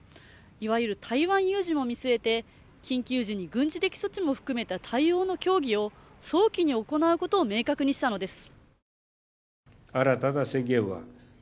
いわゆる台湾有事も見据えて緊急時に軍事的措置も含めた対応の協議を早期に行うことを明確にしたのです。